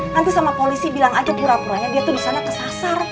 nanti sama polisi bilang aja pura puranya dia tuh di sana kesasar